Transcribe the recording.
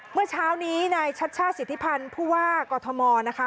เมื่อเช้านี้ในชัดสิทธิพันธ์ผู้ว่ากฏมนะคะ